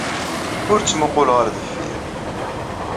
Ur ttmuqqul ɣer deffir.